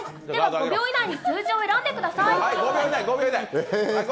５秒以内に数字を選んでください。